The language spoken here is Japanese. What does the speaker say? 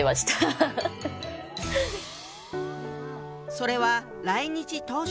それは来日当初。